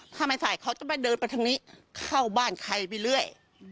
ถ้าไม่ใส่เขาจะไม่เดินไปทางนี้เข้าบ้านใครไปเรื่อย